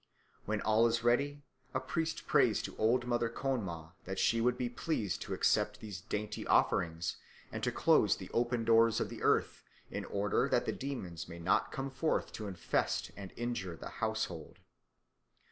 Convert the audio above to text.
When all is ready, a priest prays to Old Mother Khön ma that she would be pleased to accept these dainty offerings and to close the open doors of the earth, in order that the demons may not come forth to infest and injure the household.